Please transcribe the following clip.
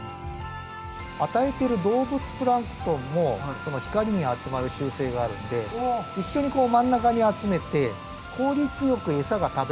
与えてる動物プランクトンも光に集まる習性があるんで一緒に真ん中に集めて効率よく餌が食べられるようにしてるんですね。